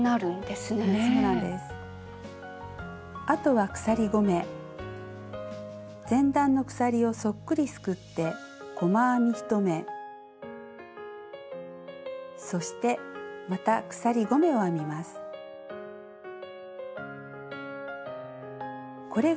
あとは鎖５目前段の鎖をそっくりすくって細編み１目そしてまた鎖５目を編みます。